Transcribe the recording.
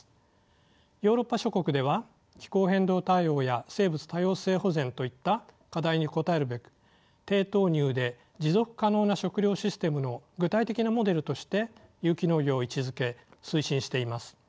ヨーロッパ諸国では気候変動対応や生物多様性保全といった課題に応えるべく低投入で持続可能な食料システムの具体的なモデルとして有機農業を位置づけ推進しています。